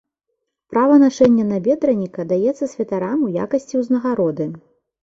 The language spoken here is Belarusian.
Права нашэння набедраніка даецца святарам у якасці ўзнагароды.